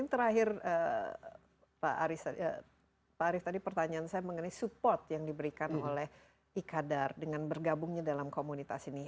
terakhir pak arief tadi pertanyaan saya mengenai support yang diberikan oleh ikadar dengan bergabungnya dalam komunitas ini